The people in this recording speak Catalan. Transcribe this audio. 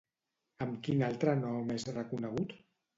Amb quin altre nom és reconegut?